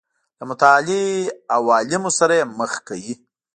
له متعالي عوالمو سره یې مخ کوي.